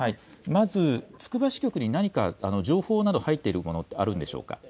まずつくば支局に何か情報など、入っているものってあるんでしょうか。